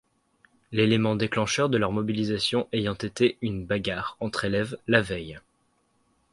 L'élément déclencheur de leur mobilisation ayant été une bagarre entre élèves la veille.